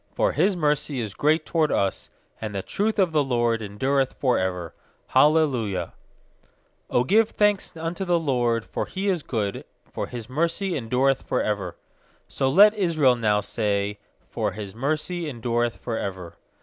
2 For His mercy is great toward us; And the truth of the LORD en dureth for ever. Hallelujah. 1 1 ft '0 give thanks unto the LORD. 1X0 for He is good, For His mercy endureth for ever/ 2So let Israel now say, For His mercy endureth for ever.